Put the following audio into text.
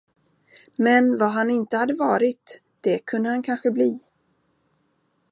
Men vad han inte hade varit, det kunde han kanske bli.